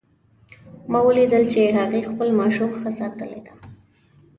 ما ولیدل چې هغې خپل ماشوم ښه ساتلی ده